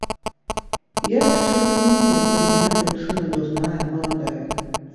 Я яшчэ разумею, калі яна дзяўчына дурная, маладая.